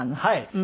はい。